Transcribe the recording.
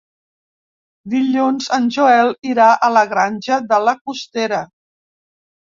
Dilluns en Joel irà a la Granja de la Costera.